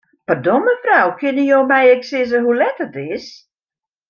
Pardon, mefrou, kinne jo my ek sizze hoe let it is?